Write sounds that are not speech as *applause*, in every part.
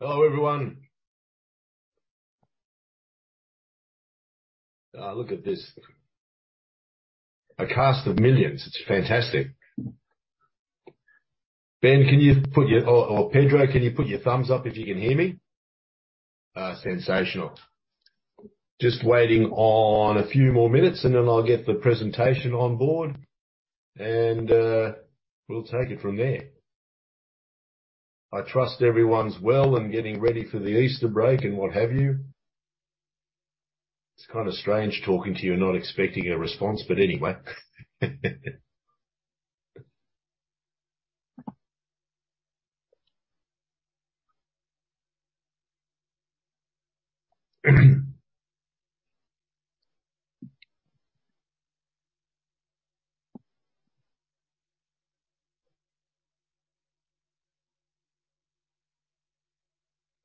Hello, everyone. Look at this. A cast of millions. It's fantastic. Ben, can you put your or Pedro, can you put your thumbs up if you can hear me? Sensational. Just waiting on a few more minutes. Then I'll get the presentation on board, and we'll take it from there. I trust everyone's well and getting ready for the Easter break and what have you. It's kind of strange talking to you and not expecting a response. Anyway.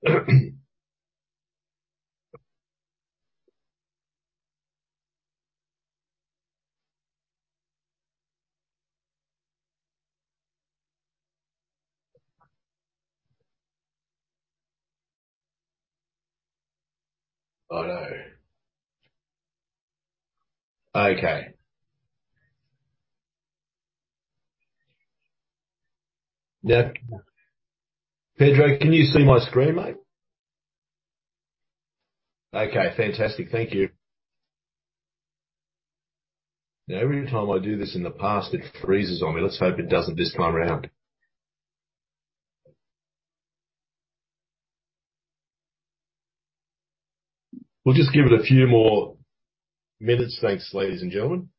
No. Okay. Yeah. Pedro, can you see my screen, mate? Okay, fantastic. Thank you. Every time I do this in the past, it freezes on me. Let's hope it doesn't this time around. We'll just give it a few more minutes. Thanks, ladies and gentlemen.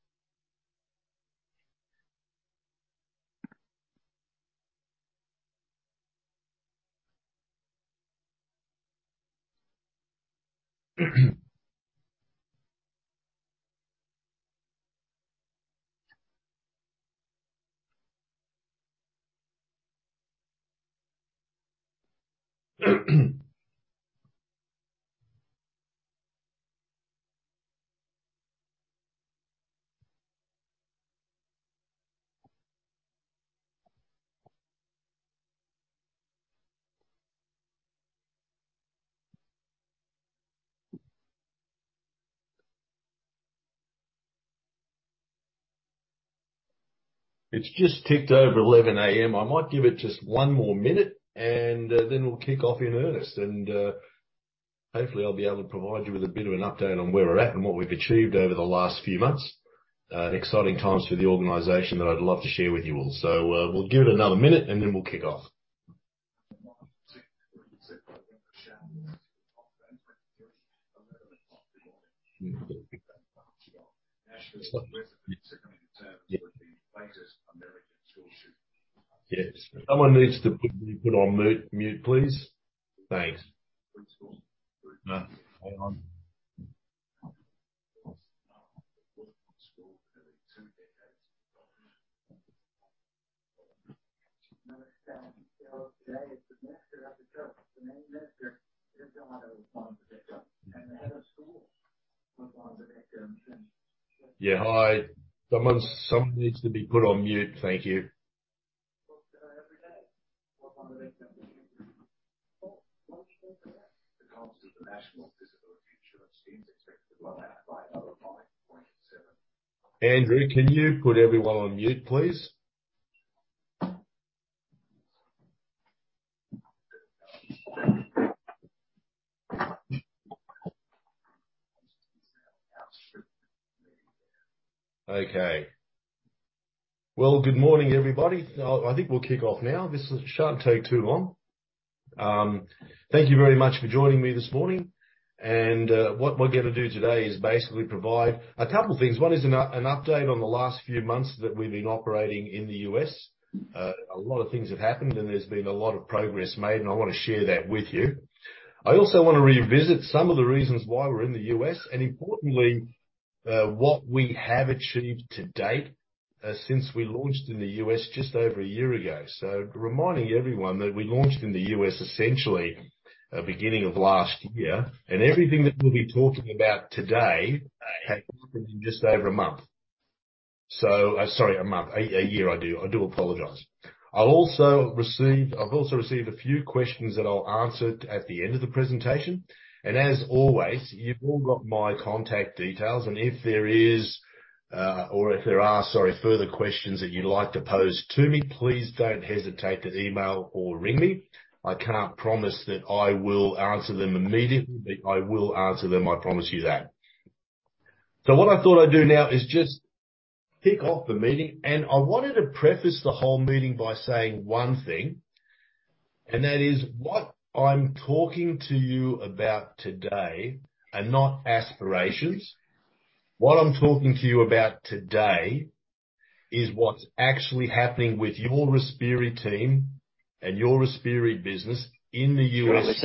It's just ticked over 11:00 A.M. I might give it just one more minute, and then we'll kick off in earnest. Hopefully I'll be able to provide you with a bit of an update on where we're at and what we've achieved over the last few months. Exciting times for the organization that I'd love to share with you all. We'll give it another minute, and then we'll kick off. Someone needs to put on mute, please. Thanks. Hang on. Hi, something needs to be put on mute. Thank you. Andrew, can you put everyone on mute, please? Okay. Well, good morning, everybody. I think we'll kick off now. This shouldn't take too long. Thank you very much for joining me this morning. What we're gonna do today is basically provide a couple of things. One is an update on the last few months that we've been operating in the U.S. A lot of things have happened, and there's been a lot of progress made, and I wanna share that with you. I also wanna revisit some of the reasons why we're in the U.S. and importantly, what we have achieved to date, since we launched in the U.S. just over a year ago. Reminding everyone that we launched in the U.S. essentially at beginning of last year. Everything that we'll be talking about today happened in just over a month. Sorry, a month. A year. I do apologize. I've also received a few questions that I'll answer at the end of the presentation. As always, you've all got my contact details. If there is, or if there are, sorry, further questions that you'd like to pose to me, please don't hesitate to email or ring me. I can't promise that I will answer them immediately, but I will answer them, I promise you that. What I thought I'd do now is just kick off the meeting. I wanted to preface the whole meeting by saying one thing, and that is, what I'm talking to you about today are not aspirations. What I'm talking to you about today is what's actually happening with your Respiri team and your Respiri business in the U.S. *crosstalk*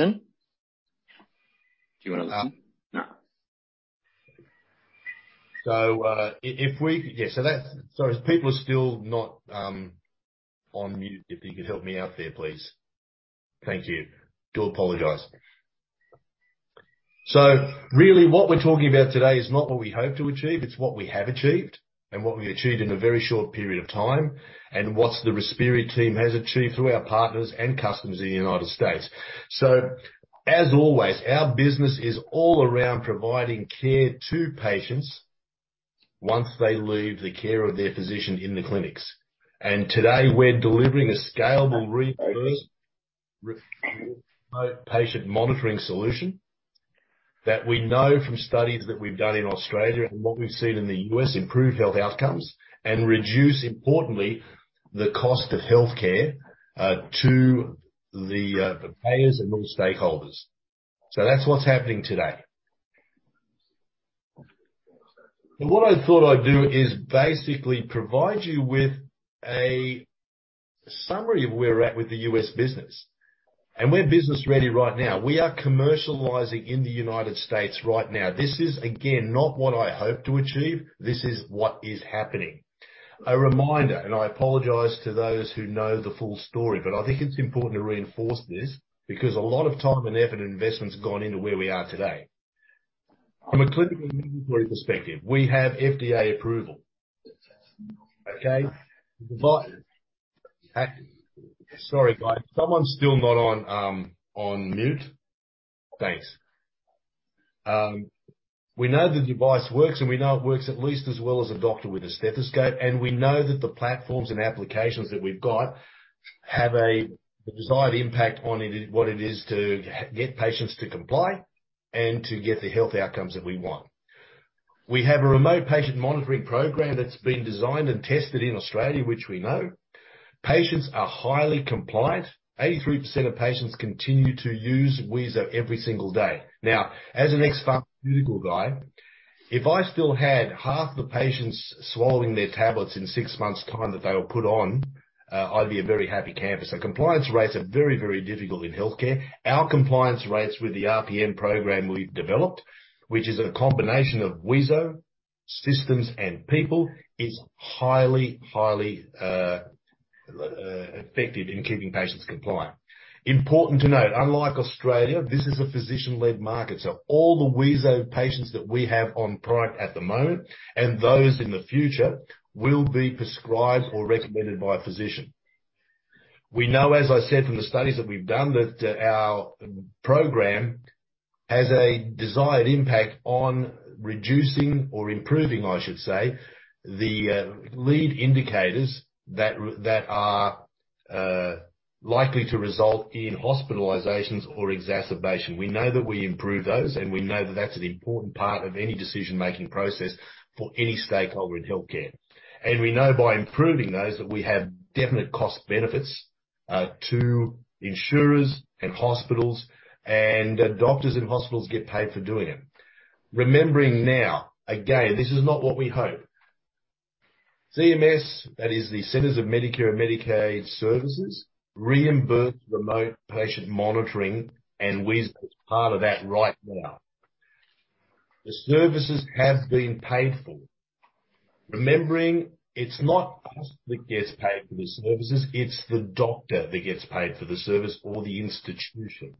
If we could... Yeah. That's... Sorry, people are still not on mute. If you could help me out there, please. Thank you. Do apologize. Really what we're talking about today is not what we hope to achieve, it's what we have achieved and what we achieved in a very short period of time, and what the Respiri team has achieved through our partners and customers in the United States. As always, our business is all around providing care to patients once they leave the care of their physician in the clinics. Today, we're delivering a scalable, reimbursed Remote Patient Monitoring solution that we know from studies that we've done in Australia and what we've seen in the U.S., improve health outcomes and reduce, importantly, the cost of healthcare to the payers and all the stakeholders. That's what's happening today. What I thought I'd do is basically provide you with a summary of where we're at with the U.S. business. We're business ready right now. We are commercializing in the United States right now. This is, again, not what I hope to achieve. This is what is happening. A reminder, I apologize to those who know the full story, but I think it's important to reinforce this because a lot of time and effort and investment's gone into where we are today. From a clinical and regulatory perspective, we have FDA approval. Okay? Sorry, guys, someone's still not on mute. Thanks. We know the device works, we know it works at least as well as a doctor with a stethoscope. We know that the platforms and applications that we've got have a desired impact on it, what it is to get patients to comply and to get the health outcomes that we want. We have a Remote Patient Monitoring program that's been designed and tested in Australia, which we know. Patients are highly compliant. 83% of patients continue to use Wheezo every single day. As an ex-pharmaceutical guy, if I still had half the patients swallowing their tablets in six months' time that they were put on, I'd be a very happy camper. Compliance rates are very, very difficult in healthcare. Our compliance rates with the RPM program we've developed, which is a combination of Wheezo, systems and people, is highly effective in keeping patients compliant. Important to note, unlike Australia, this is a physician-led market. All the Wheezo patients that we have on product at the moment, and those in the future, will be prescribed or recommended by a physician. We know, as I said, from the studies that we've done, that our program has a desired impact on reducing or improving, I should say, the lead indicators that are likely to result in hospitalizations or exacerbation. We know that we improve those. We know that that's an important part of any decision-making process for any stakeholder in healthcare. We know by improving those that we have definite cost benefits to insurers and hospitals, and the doctors and hospitals get paid for doing it. Remembering now, again, this is not what we hope. CMS, that is the Centers for Medicare & Medicaid Services, reimburse Remote Patient Monitoring, and Wheezo is part of that right now. The services have been paid for. Remembering it's not us that gets paid for the services, it's the doctor that gets paid for the service or the institution.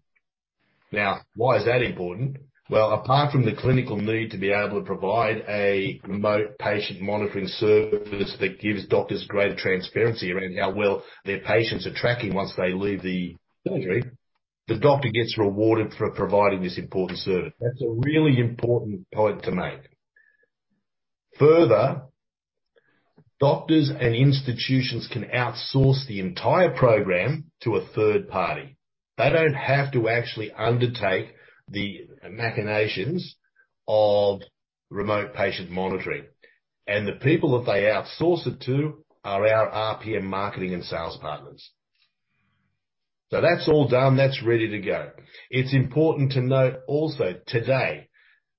Why is that important? Apart from the clinical need to be able to provide a Remote Patient Monitoring service that gives doctors greater transparency around how well their patients are tracking once they leave the surgery, the doctor gets rewarded for providing this important service. That's a really important point to make. Further, doctors and institutions can outsource the entire program to a third party. They don't have to actually undertake the machinations of Remote Patient Monitoring. The people that they outsource it to are our RPM marketing and sales partners. That's all done. That's ready to go. It's important to note also today,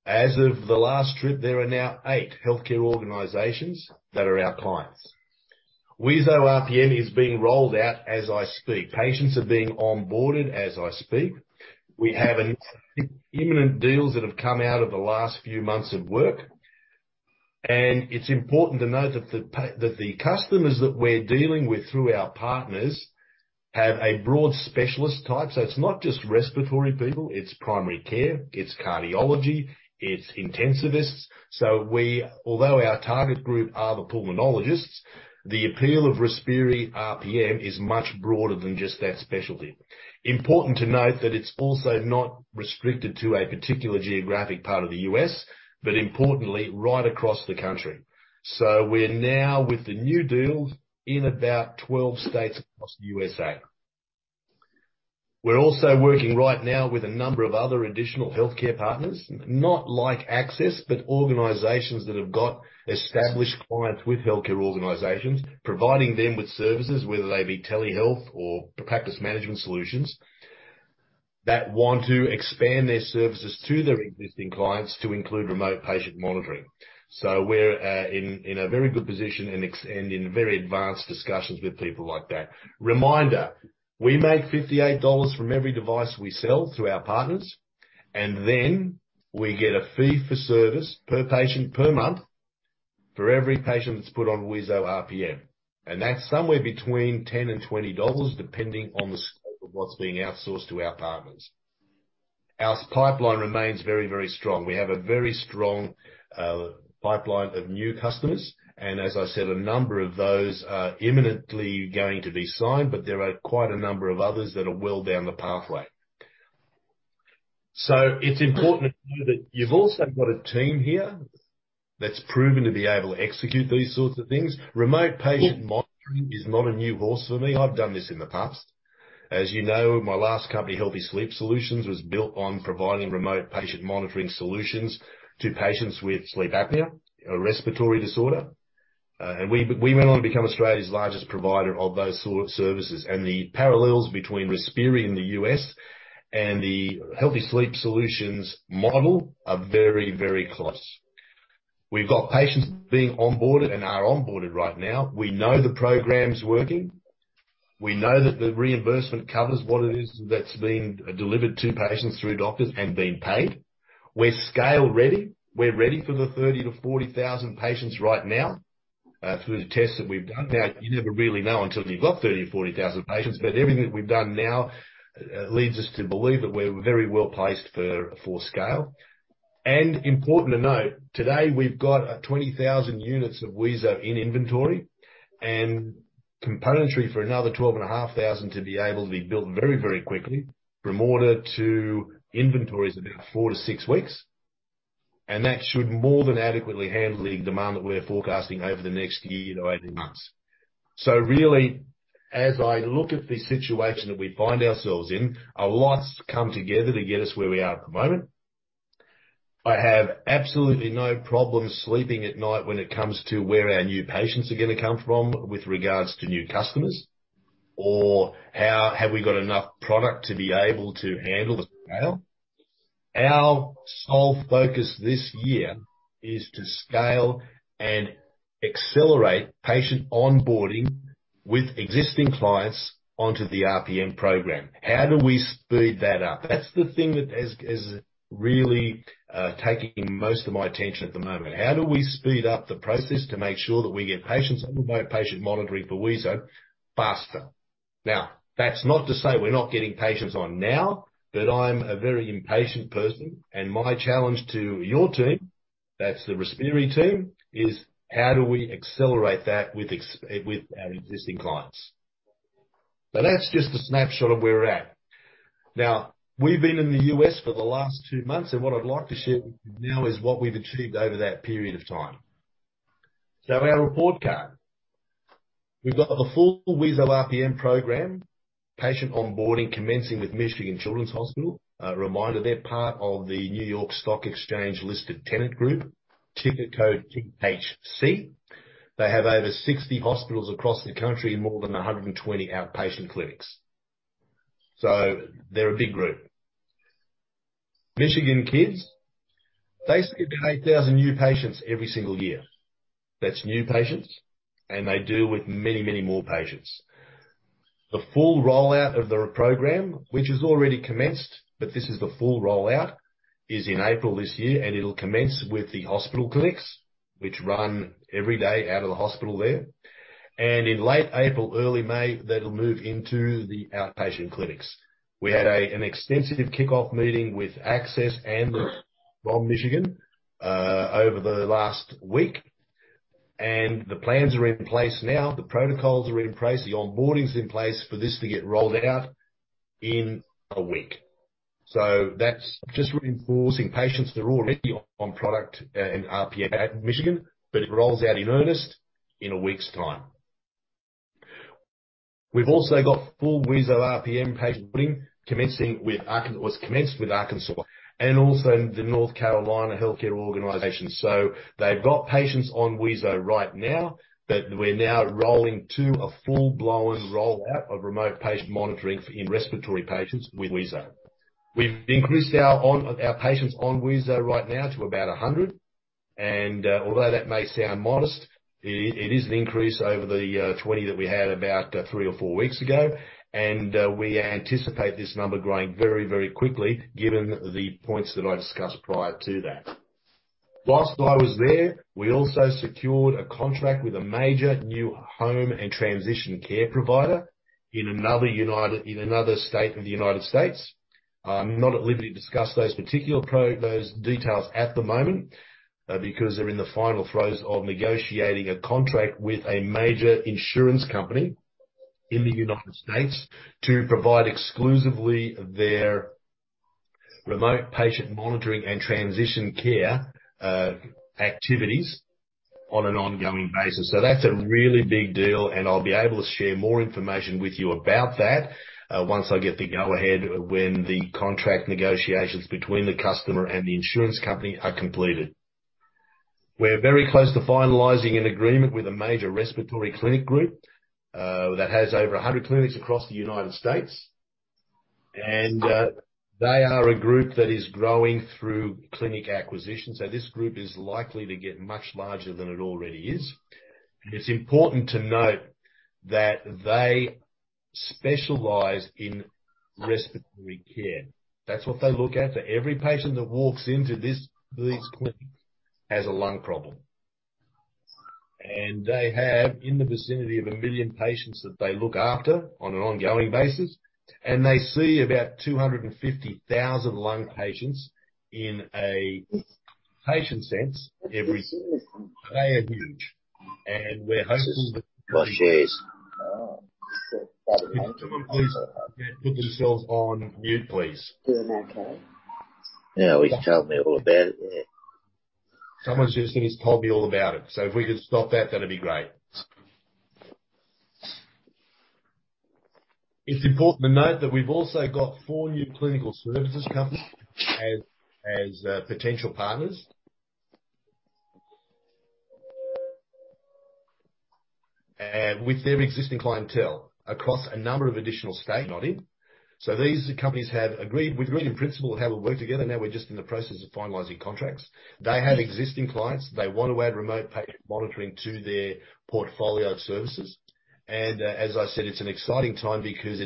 as of the last trip, there are now eight healthcare organizations that are our clients. Wheezo RPM is being rolled out as I speak. Patients are being onboarded as I speak. We have an imminent deals that have come out of the last few months of work. It's important to note that the customers that we're dealing with through our partners have a broad specialist type. It's not just respiratory people, it's primary care, it's cardiology, it's intensivists. Although our target group are the pulmonologists, the appeal of Respiri RPM is much broader than just that specialty. Important to note that it's also not restricted to a particular geographic part of the U.S., but importantly right across the country. We're now with the new deals in about 12 states across U.S.A. We're also working right now with a number of other additional healthcare partners, not like Access, but organizations that have got established clients with healthcare organizations, providing them with services, whether they be telehealth or practice management solutions, that want to expand their services to their existing clients to include Remote Patient Monitoring. We're in a very good position and in very advanced discussions with people like that. Reminder, we make $58 from every device we sell through our partners, and then we get a fee for service per patient per month. For every patient that's put on Wheezo RPM, and that's somewhere between $10-$20, depending on the scope of what's being outsourced to our partners. Our pipeline remains very strong. We have a very strong pipeline of new customers, as I said, a number of those are imminently going to be signed, there are quite a number of others that are well down the pathway. It's important to know that you've also got a team here that's proven to be able to execute these sorts of things. Remote Patient Monitoring is not a new horse for me. I've done this in the past. As you know, my last company, Healthy Sleep Solutions, was built on providing Remote Patient Monitoring solutions to patients with Sleep apnea, a respiratory disorder. We went on to become Australia's largest provider of those sort of services. The parallels between Respiri in the U.S. and the Healthy Sleep Solutions model are very, very close. We've got patients being onboarded and are onboarded right now. We know the program's working. We know that the reimbursement covers what it is that's being delivered to patients through doctors and being paid. We're scale ready. We're ready for the 30,000-40,000 patients right now, through the tests that we've done. Now, you never really know until you've got 30,000 or 40,000 patients, but everything that we've done now, leads us to believe that we're very well-placed for scale. Important to note, today we've got, 20,000 units of Wheezo in inventory and componentry for another 12,500 to be able to be built very, very quickly from order to inventories, about four to six weeks. That should more than adequately handle the demand that we're forecasting over the next year to 18 months. Really, as I look at the situation that we find ourselves in, a lot's come together to get us where we are at the moment. I have absolutely no problems sleeping at night when it comes to where our new patients are gonna come from with regards to new customers or have we got enough product to be able to handle the scale. Our sole focus this year is to scale and accelerate patient onboarding with existing clients onto the RPM program. How do we speed that up? That's the thing that is really taking most of my attention at the moment. How do we speed up the process to make sure that we get patients on Remote Patient Monitoring for Wheezo faster? That's not to say we're not getting patients on now, but I'm a very impatient person, and my challenge to your team, that's the Respiri team, is: How do we accelerate that with our existing clients? That's just a snapshot of where we're at. We've been in the U.S. for the last two months, and what I'd like to share with you now is what we've achieved over that period of time. Our report card, we've got the full Wheezo RPM program, patient onboarding commencing with Michigan Children's Hospital. Reminder, they're part of the New York Stock Exchange-listed Tenet group, ticker code THC. They have over 60 hospitals across the country and more than 120 outpatient clinics. They're a big group. Michigan kids, they see up to 8,000 new patients every single year. That's new patients, and they deal with many, many more patients. The full rollout of their program, which has already commenced, but this is the full rollout, is in April this year. It'll commence with the hospital clinics, which run every day out of the hospital there. In late April, early May, that'll move into the outpatient clinics. We had an extensive kickoff meeting with Access and from Michigan over the last week. The plans are in place now. The protocols are in place. The onboarding's in place for this to get rolled out in a week. That's just reinforcing patients that are already on product and RPM at Michigan, but it rolls out in earnest in a week's time. We've also got full Wheezo RPM patient boarding was commenced with Arkansas and also the North Carolina Healthcare Organization. They've got patients on Wheezo right now, but we're now rolling to a full-blown rollout of Remote Patient Monitoring in respiratory patients with Wheezo. We've increased Our patients on Wheezo right now to about 100. Although that may sound modest, it is an increase over the 20 that we had about three or four weeks ago. We anticipate this number growing very, very quickly given the points that I discussed prior to that. Whilst I was there, we also secured a contract with a major new home and transition care provider in another state of the United States. I'm not at liberty to discuss those particular. Those details at the moment, because they're in the final throes of negotiating a contract with a major insurance company in the United States to provide exclusively their Remote Patient Monitoring and transition care activities on an ongoing basis. That's a really big deal, and I'll be able to share more information with you about that once I get the go-ahead when the contract negotiations between the customer and the insurance company are completed. We're very close to finalizing an agreement with a major respiratory clinic group that has over 100 clinics across the United States. They are a group that is growing through clinic acquisitions. This group is likely to get much larger than it already is. It's important to note that they specialize in Respiratory Care. That's what they look at. Every patient that walks into these clinics has a lung problem. They have in the vicinity of 1 million patients that they look after on an ongoing basis. They see about 250,000 lung patients in a patient sense every single. They are huge, and we're hopeful that. *crosstalk* Oh. If you could please put yourselves on mute, please. *crosstalk* Someone's just said, He's told me all about it. If we could stop that'd be great. It's important to note that we've also got four new clinical services companies as potential partners. With their existing clientele across a number of additional state auditing. These companies have agreed, we've agreed in principle how we'll work together, now we're just in the process of finalizing contracts. They have existing clients. They want to add Remote Patient Monitoring to their portfolio of services. As I said, it's an exciting time because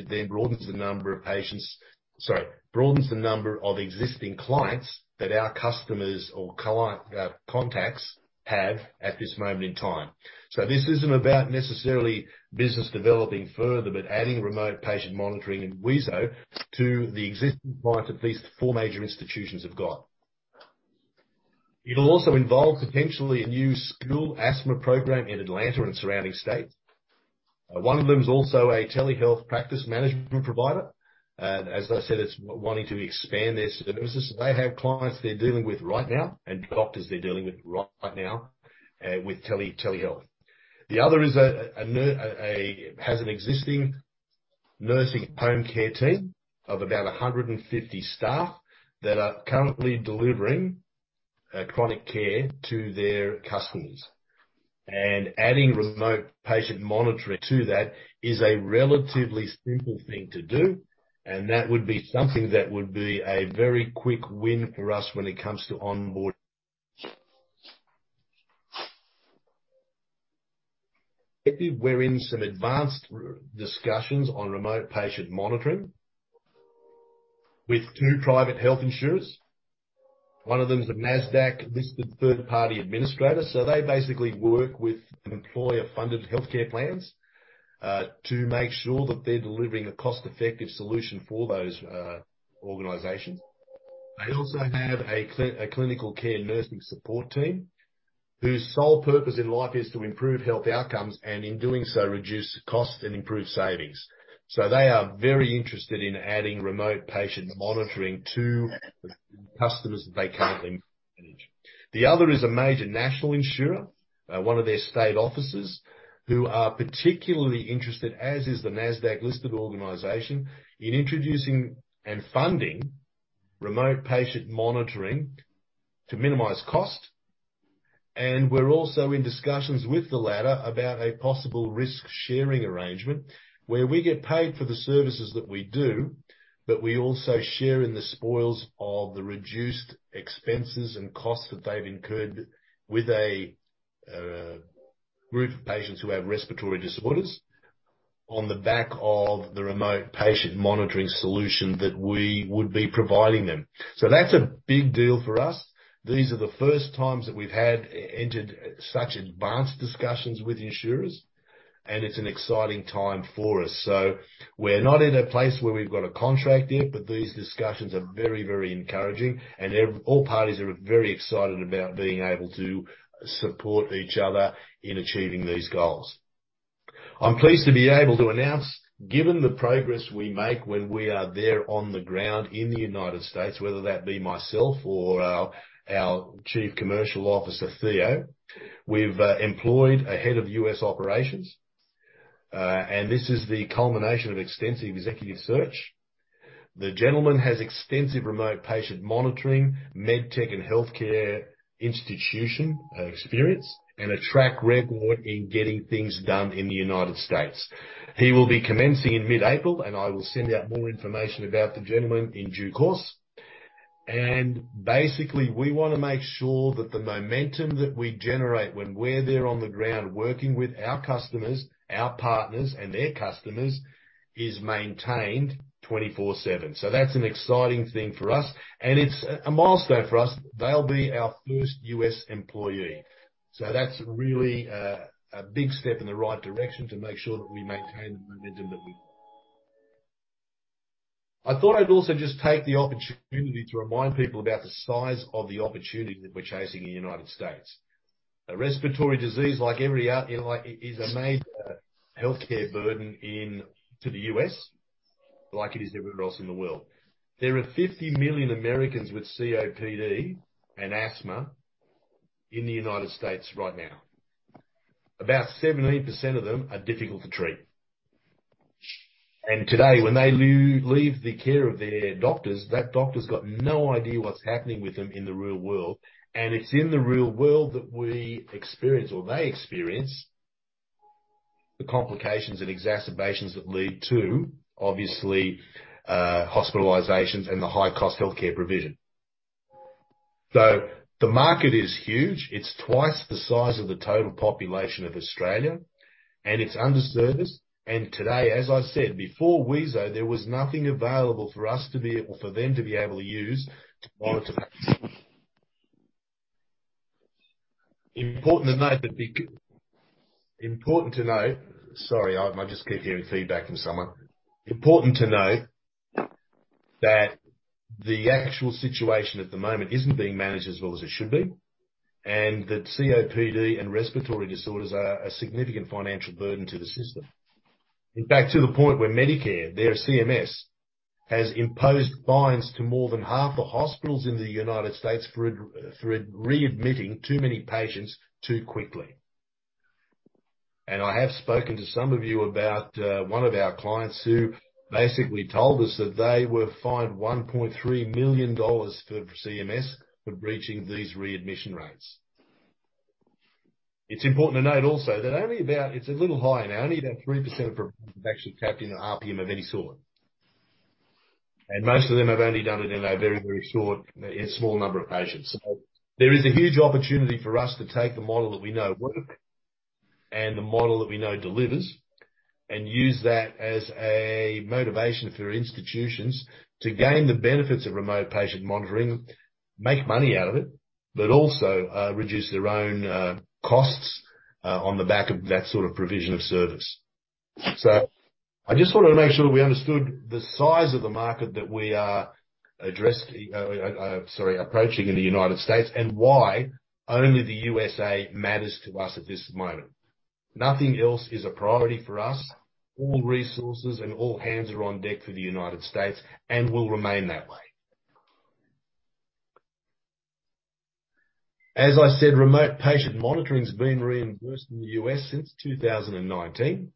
Sorry, broadens the number of existing clients that our customers or contacts have at this moment in time. This isn't about necessarily business developing further, but adding Remote Patient Monitoring and Wheezo to the existing clients that these four major institutions have got. It'll also involve potentially a new school Asthma program in Atlanta and surrounding states. One of them is also a telehealth practice management provider, and as I said, it's wanting to expand their services. They have clients they're dealing with right now and doctors they're dealing with right now with telehealth. The other is a has an existing nursing home care team of about 150 staff that are currently delivering chronic care to their customers. Adding Remote Patient Monitoring to that is a relatively simple thing to do, and that would be something that would be a very quick win for us when it comes to. We're in some advanced discussions on Remote Patient Monitoring with two private health insurers. One of them is a Nasdaq-listed third-party administrator. They basically work with employer-funded healthcare plans to make sure that they're delivering a cost-effective solution for those organizations. They also have a clinical care nursing support team whose sole purpose in life is to improve health outcomes and in doing so, reduce costs and improve savings. They are very interested in adding Remote Patient Monitoring to customers that they currently manage. The other is a major national insurer, one of their state offices, who are particularly interested, as is the Nasdaq-listed organization, in introducing and funding Remote Patient Monitoring to minimize cost. We're also in discussions with the latter about a possible risk-sharing arrangement where we get paid for the services that we do, but we also share in the spoils of the reduced expenses and costs that they've incurred with a group of patients who have respiratory disorders on the back of the Remote Patient Monitoring solution that we would be providing them. That's a big deal for us. These are the first times that we've had entered such advanced discussions with insurers, and it's an exciting time for us. We're not in a place where we've got a contract in, but these discussions are very, very encouraging and all parties are very excited about being able to support each other in achieving these goals. I'm pleased to be able to announce, given the progress we make when we are there on the ground in the United States, whether that be myself or our Chief Commercial Officer, Theo, we've employed a head of U.S. operations. This is the culmination of extensive executive search. The gentleman has extensive Remote Patient Monitoring, MedTech and healthcare institution experience, and a track record in getting things done in the United States. He will be commencing in mid-April, and I will send out more information about the gentleman in due course. Basically, we wanna make sure that the momentum that we generate when we're there on the ground working with our customers, our partners, and their customers is maintained 24/7. That's an exciting thing for us, and it's a milestone for us. They'll be our first U.S. employee. That's really a big step in the right direction to make sure that we maintain the momentum that we. I thought I'd also just take the opportunity to remind people about the size of the opportunity that we're chasing in the United States. A respiratory disease like every like, is a major healthcare burden into the U.S. like it is everywhere else in the world. There are 50 million Americans with COPD and asthma in the United States right now. About 17% of them are difficult to treat. Today, when they leave the care of their doctors, that doctor's got no idea what's happening with them in the real world. It's in the real world that we experience or they experience the complications and exacerbations that lead to obviously, hospitalizations and the high cost healthcare provision. The market is huge. It's twice the size of the total population of Australia, and it's underserved. Today, as I said before, Wheezo, there was nothing available for them to be able to use to monitor patients. Sorry, I might just keep hearing feedback from someone. Important to note that the actual situation at the moment isn't being managed as well as it should be, and that COPD and respiratory disorders are a significant financial burden to the system. In fact, to the point where Medicare, their CMS, has imposed fines to more than half the hospitals in the United States for readmitting too many patients too quickly. I have spoken to some of you about one of our clients who basically told us that they were fined $1.3 million for CMS for breaching these re-admission rates. It's important to note also that only about 3% of providers have actually tapped into RPM of any sort. Most of them have only done it in a very short, in small number of patients. There is a huge opportunity for us to take the model that we know works and the model that we know delivers, and use that as a motivation for institutions to gain the benefits of Remote Patient Monitoring, make money out of it, but also, reduce their own costs on the back of that sort of provision of service. I just wanted to make sure that we understood the size of the market that we are addressing, sorry, approaching in the United States, and why only the USA matters to us at this moment. Nothing else is a priority for us. All resources and all hands are on deck for the United States and will remain that way. As I said, Remote Patient Monitoring has been reimbursed in the U.S. Since 2019.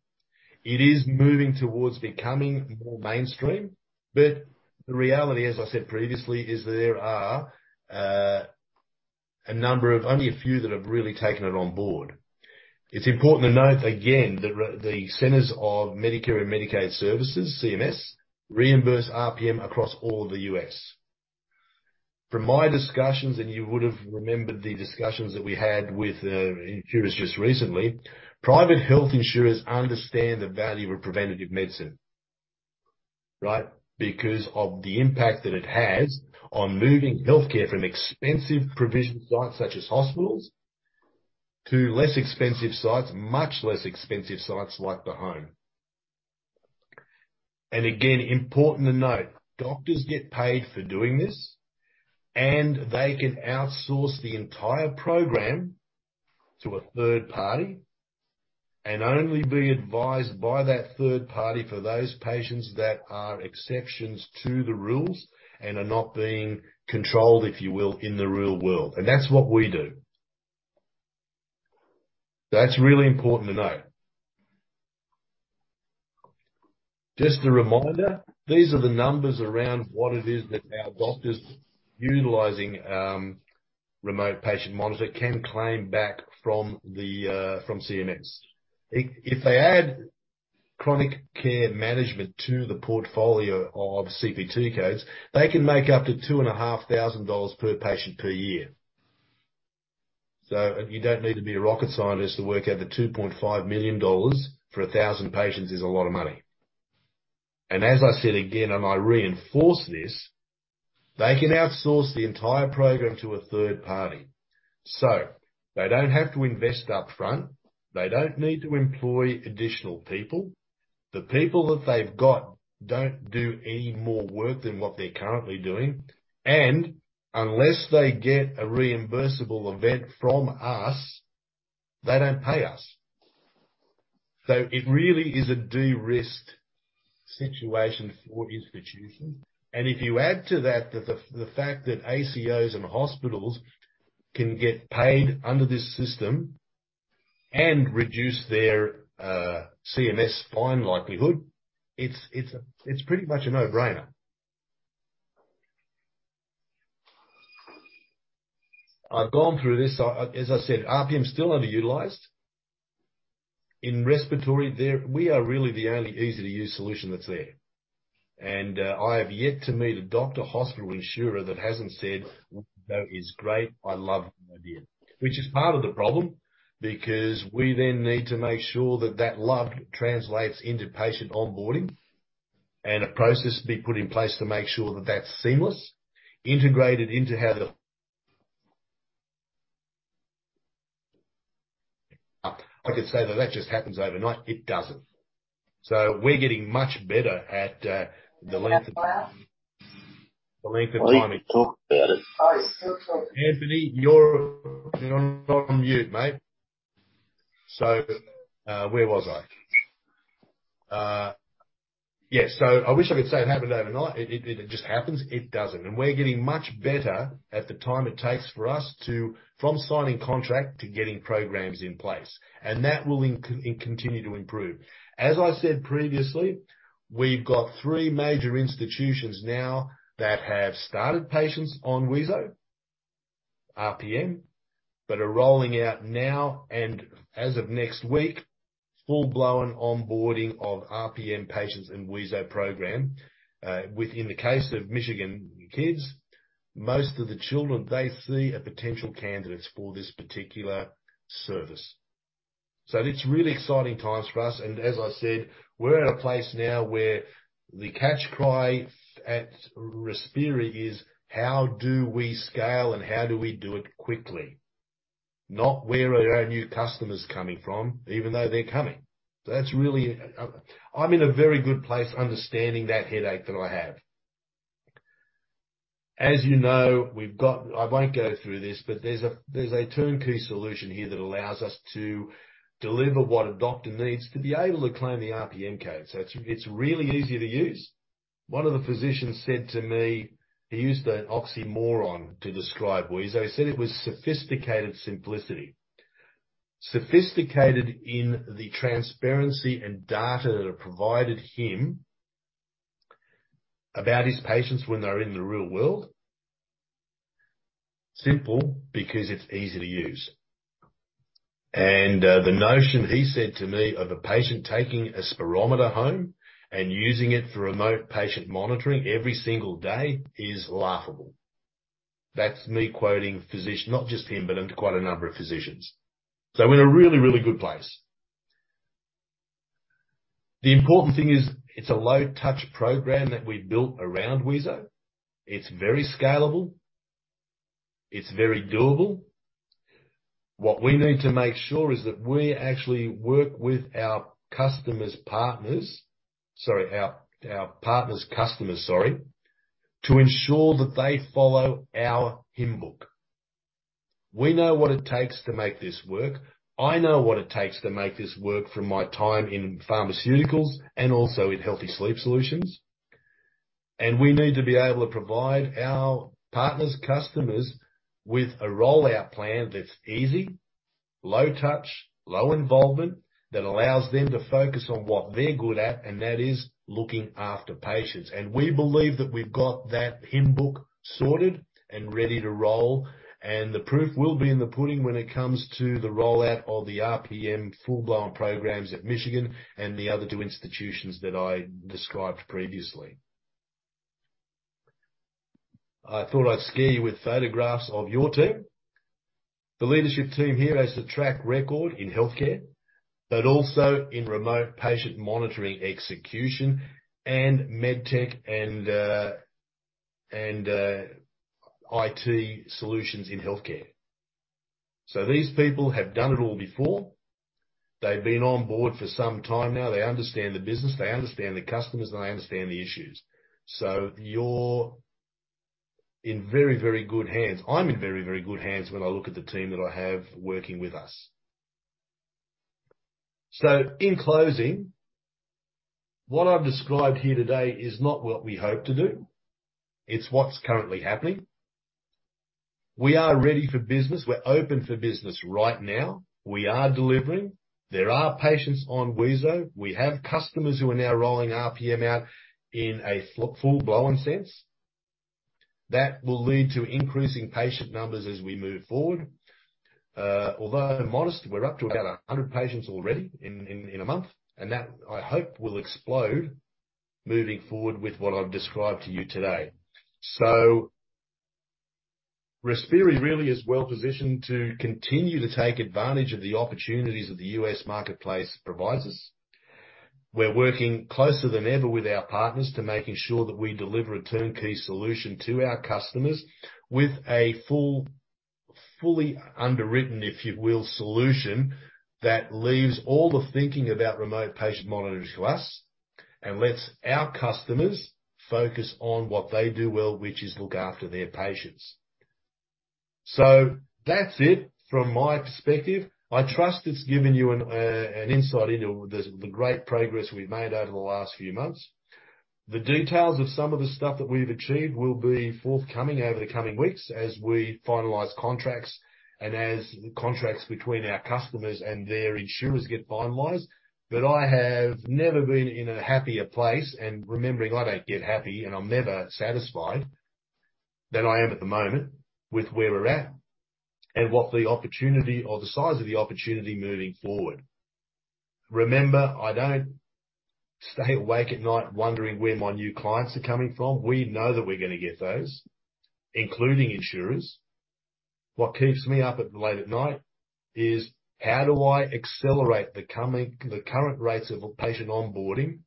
It is moving towards becoming more mainstream. The reality, as I said previously, is there are a number of only a few that have really taken it on board. It's important to note, again, that the Centers for Medicare & Medicaid Services, CMS, reimburse RPM across all the U.S. From my discussions, you would have remembered the discussions that we had with insurers just recently. Private health insurers understand the value of preventative medicine, right? Because of the impact that it has on moving healthcare from expensive provision sites, such as hospitals, to less expensive sites, much less expensive sites like the home. Again, important to note, doctors get paid for doing this. They can outsource the entire program to a third party and only be advised by that third party for those patients that are exceptions to the rules and are not being controlled, if you will, in the real world. That's what we do. That's really important to note. Just a reminder, these are the numbers around what it is that our doctors utilizing remote patient monitoring can claim back from the CMS. If they add Chronic Care Management to the portfolio of CPT codes, they can make up to $2,500 per patient per year. You don't need to be a rocket scientist to work out that $2.5 million for 1,000 patients is a lot of money. As I said again, and I reinforce this, they can outsource the entire program to a third party. They don't have to invest upfront. They don't need to employ additional people. The people that they've got don't do any more work than what they're currently doing. Unless they get a reimbursable event from us, they don't pay us. It really is a de-risked situation for institutions. If you add to that, the fact that ACOs and hospitals can get paid under this system and reduce their CMS fine likelihood, it's pretty much a no-brainer. I've gone through this. As I said, RPM is still underutilized. In respiratory, we are really the only easy-to-use solution that's there. I have yet to meet a doctor, hospital insurer that hasn't said, That is great. I love the idea. Which is part of the problem, because we then need to make sure that that love translates into patient onboarding and a process be put in place to make sure that that's seamless, integrated into how the ... I could say that that just happens overnight. It doesn't. We're getting much better at the length of time it took. Anthony, you're on mute, mate. Where was I? Yes. I wish I could say it happened overnight. It just happens. It doesn't. We're getting much better at the time it takes for us to... from signing contract to getting programs in place. That will continue to improve. As I said previously, we've got three major institutions now that have started patients on Wheezo RPM, that are rolling out now and as of next week, full-blown onboarding of RPM patients in Wheezo program. In the case of Michigan Kids, most of the children they see are potential candidates for this particular service. It's really exciting times for us. As I said, we're at a place now where the catchcry at Respiri is how do we scale and how do we do it quickly? Not where are our new customers coming from, even though they're coming. I'm in a very good place understanding that headache that I have. As you know, we've got. I won't go through this, but there's a turnkey solution here that allows us to deliver what a doctor needs to be able to claim the RPM code. It's really easy to use. One of the physicians said to me, he used an oxymoron to describe Wheezo. He said it was sophisticated simplicity. Sophisticated in the transparency and data that it provided him about his patients when they're in the real world. Simple, because it's easy to use. The notion he said to me of a patient taking a spirometer home and using it for Remote Patient Monitoring every single day is laughable. That's me quoting physician, not just him, but quite a number of physicians. We're in a really good place. The important thing is it's a low touch program that we've built around Wheezo. It's very scalable. It's very doable. What we need to make sure is that we actually work with our partners customers to ensure that they follow our hymnbook. We know what it takes to make this work. I know what it takes to make this work from my time in pharmaceuticals and also in Healthy Sleep Solutions. We need to be able to provide our partners customers with a rollout plan that's easy, low touch, low involvement, that allows them to focus on what they're good at, and that is looking after patients. We believe that we've got that hymnbook sorted and ready to roll, and the proof will be in the pudding when it comes to the rollout of the RPM full-blown programs at Michigan and the other two institutions that I described previously. I thought I'd scare you with photographs of your team. The leadership team here has a track record in healthcare, but also in Remote Patient Monitoring execution and MedTech and IT solutions in healthcare. These people have done it all before. They've been on board for some time now. They understand the business, they understand the customers, and they understand the issues. You're in very, very good hands. I'm in very, very good hands when I look at the team that I have working with us. In closing, what I've described here today is not what we hope to do. It's what's currently happening. We are ready for business. We're open for business right now. We are delivering. There are patients on Wheezo. We have customers who are now rolling RPM out in a full-blown sense. That will lead to increasing patient numbers as we move forward. Although modest, we're up to about 100 patients already in a month. That, I hope, will explode moving forward with what I've described to you today. Respiri really is well-positioned to continue to take advantage of the opportunities that the U.S. marketplace provides us. We're working closer than ever with our partners to making sure that we deliver a turnkey solution to our customers with a full, fully underwritten, if you will, solution that leaves all the thinking about Remote Patient Monitoring to us and lets our customers focus on what they do well, which is look after their patients. That's it from my perspective. I trust it's given you an insight into the great progress we've made over the last few months. The details of some of the stuff that we've achieved will be forthcoming over the coming weeks as we finalize contracts and as contracts between our customers and their insurers get finalized. I have never been in a happier place, and remembering I don't get happy, and I'm never satisfied, than I am at the moment with where we're at and what the opportunity or the size of the opportunity moving forward. Remember, I don't stay awake at night wondering where my new clients are coming from. We know that we're gonna get those, including insurers. What keeps me up late at night is how do I accelerate the current rates of patient onboarding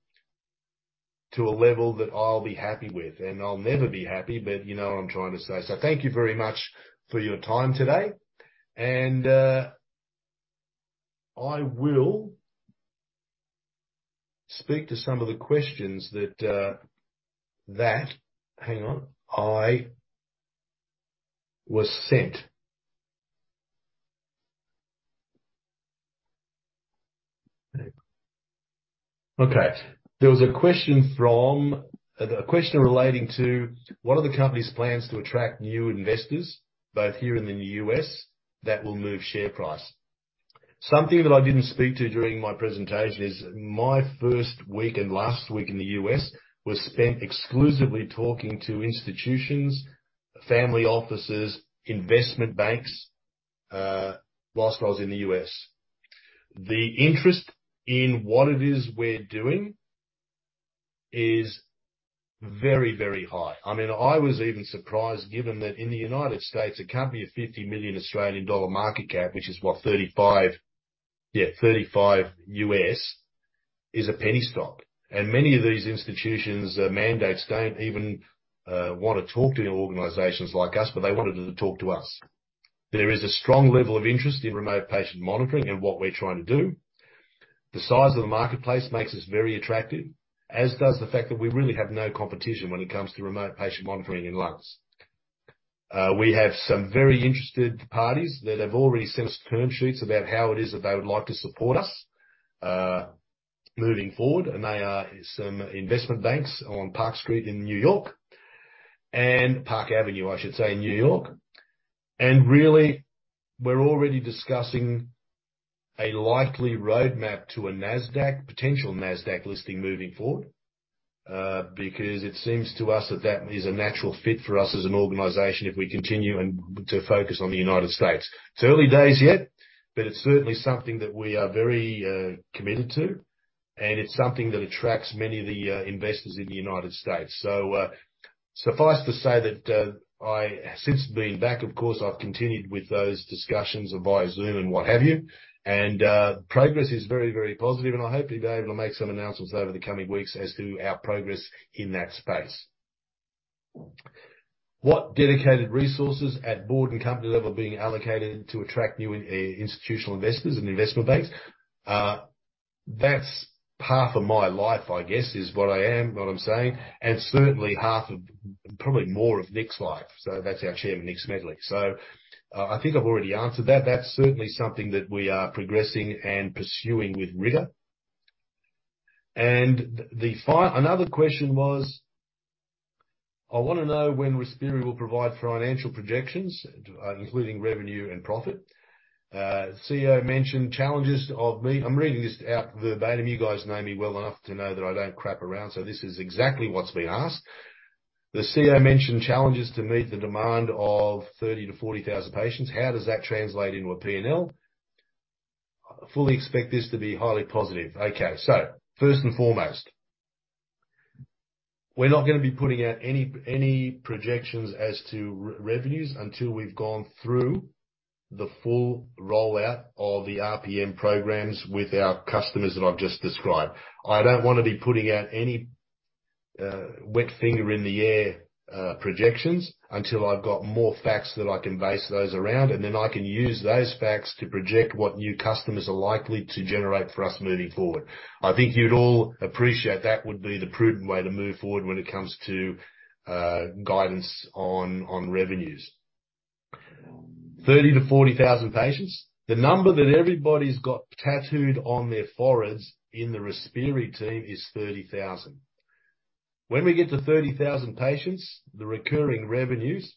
to a level that I'll be happy with? I'll never be happy, but you know what I'm trying to say. Thank you very much for your time today, and I will speak to some of the questions that... Hang on. I was sent. Okay. There was a question from... A question relating to what are the company's plans to attract new investors, both here and in the U.S., that will move share price? Something that I didn't speak to during my presentation is my first week and last week in the U.S. was spent exclusively talking to institutions, family offices, investment banks, whilst I was in the U.S. The interest in what it is we're doing is very, very high. I mean, I was even surprised given that in the United States, a company of AUD 50 million market cap, which is what $35 U.S. is a penny stock. Many of these institutions' mandates don't even wanna talk to organizations like us, but they wanted to talk to us. There is a strong level of interest in Remote Patient Monitoring and what we're trying to do. The size of the marketplace makes us very attractive, as does the fact that we really have no competition when it comes to Remote Patient Monitoring in lungs. We have some very interested parties that have already sent us term sheets about how it is that they would like to support us moving forward. They are some investment banks on Park Street in New York, and Park Avenue, I should say, in New York. Really, we're already discussing a likely roadmap to a Nasdaq, potential Nasdaq listing moving forward, because it seems to us that that is a natural fit for us as an organization if we continue to focus on the United States. It's early days yet, but it's certainly something that we are very committed to, and it's something that attracts many of the investors in the United States. Suffice to say that I have since been back, of course, I've continued with those discussions via Zoom and what have you. Progress is very, very positive, and I hope to be able to make some announcements over the coming weeks as to our progress in that space. What dedicated resources at board and company level are being allocated to attract new institutional investors and investment banks? That's half of my life, I guess, is what I am, what I'm saying, and certainly half of, probably more of Nick's life. That's our Chairman, Nick Smedley. I think I've already answered that. That's certainly something that we are progressing and pursuing with rigor. Another question was, I wanna know when Respiri will provide financial projections, including revenue and profit. CEO mentioned challenges of me... I'm reading this out verbatim. You guys know me well enough to know that I don't crap around, this is exactly what's being asked. The CEO mentioned challenges to meet the demand of 30,000-40,000 patients. How does that translate into a P&L? I fully expect this to be highly positive. Okay. First and foremost, we're not going to be putting out any revenues until we've gone through the full rollout of the RPM programs with our customers that I've just described. I don't want to be putting out any wet finger in the air projections until I've got more facts that I can base those around, then I can use those facts to project what new customers are likely to generate for us moving forward. I think you'd all appreciate that would be the prudent way to move forward when it comes to guidance on revenues. 30,000-40,000 patients. The number that everybody's got tattooed on their foreheads in the Respiri team is 30,000. When we get to 30,000 patients, the recurring revenues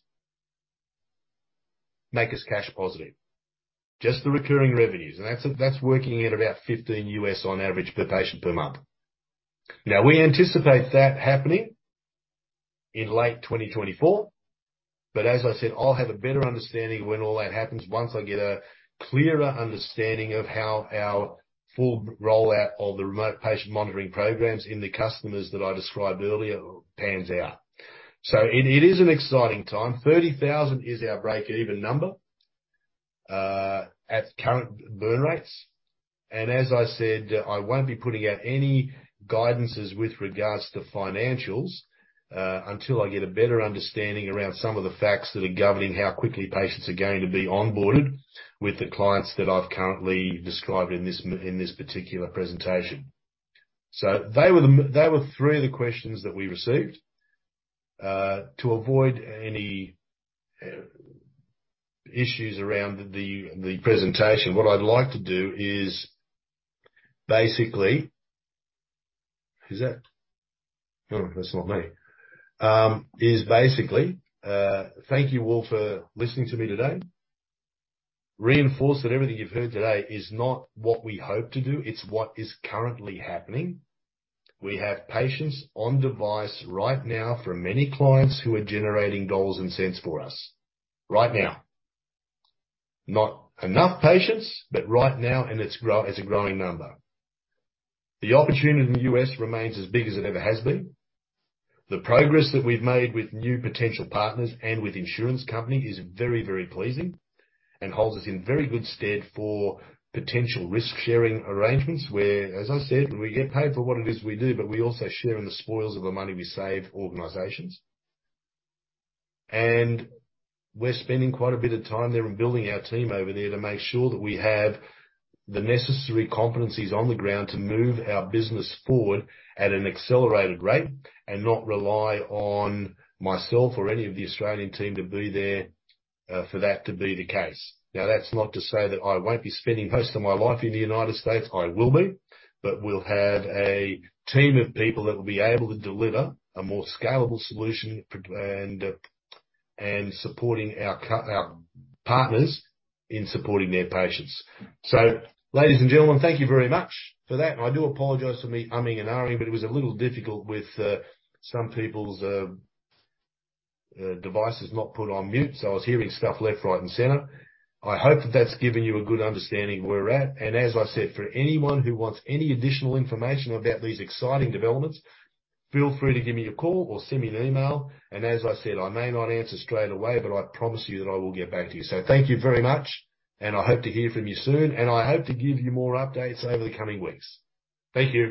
make us cash positive. Just the recurring revenues, and that's working at about $15 on average per patient per month. Now, we anticipate that happening in late 2024, but as I said, I'll have a better understanding when all that happens once I get a clearer understanding of how our full rollout of the Remote Patient Monitoring programs in the customers that I described earlier pans out. It is an exciting time. 30,000 is our breakeven number at current burn rates. As I said, I won't be putting out any guidances with regards to financials, until I get a better understanding around some of the facts that are governing how quickly patients are going to be onboarded with the clients that I've currently described in this particular presentation. They were three of the questions that we received. To avoid any issues around the presentation, what I'd like to do is basically... Who's that? No, that's not me. is basically, thank you all for listening to me today. Reinforce that everything you've heard today is not what we hope to do, it's what is currently happening. We have patients on device right now from many clients who are generating dollars and cents for us. Right now. Not enough patients, but right now, it's a growing number. The opportunity in the U.S. remains as big as it ever has been. The progress that we've made with new potential partners and with insurance company is very, very pleasing and holds us in very good stead for potential risk-sharing arrangements where, as I said, we get paid for what it is we do, but we also share in the spoils of the money we save organizations. We're spending quite a bit of time there on building our team over there to make sure that we have the necessary competencies on the ground to move our business forward at an accelerated rate and not rely on myself or any of the Australian team to be there for that to be the case. That's not to say that I won't be spending most of my life in the United States. I will be. We'll have a team of people that will be able to deliver a more scalable solution and supporting our partners in supporting their patients. Ladies and gentlemen, thank you very much for that. I do apologize for me, but it was a little difficult with some people's devices not put on mute, so I was hearing stuff left, right, and center. I hope that that's given you a good understanding of where we're at. As I said, for anyone who wants any additional information about these exciting developments, feel free to give me a call or send me an email. As I said, I may not answer straight away, I promise you that I will get back to you. Thank you very much, I hope to hear from you soon. I hope to give you more updates over the coming weeks. Thank you, everybody.